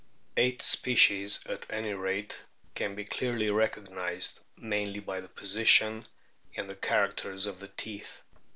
Eight species, at any rate, can be clearly recognised, mainly by the position and the characters of the teeth.